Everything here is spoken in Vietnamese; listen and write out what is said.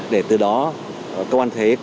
để từ đó cơ quan thuế có cái quy định